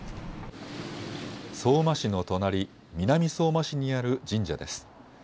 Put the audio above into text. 相馬市の隣、南相馬市にある神社です。